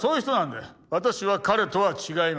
私は彼とは違います。